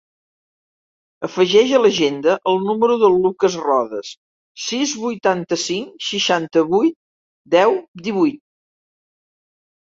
Afegeix a l'agenda el número del Lukas Rodes: sis, vuitanta-cinc, seixanta-vuit, deu, divuit.